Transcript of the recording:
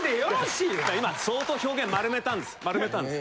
いや今相当表現丸めたんです。